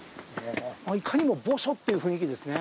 いかにも墓所っていう雰囲気ですね。